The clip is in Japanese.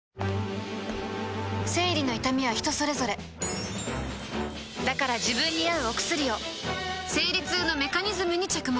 生理の痛みは人それぞれだから自分に合うお薬を生理痛のメカニズムに着目